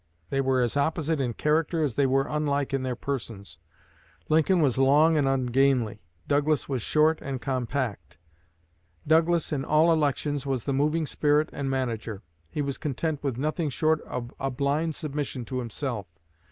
They were as opposite in character as they were unlike in their persons. Lincoln was long and ungainly; Douglas was short and compact. Douglas, in all elections, was the moving spirit and manager. He was content with nothing short of a blind submission to himself.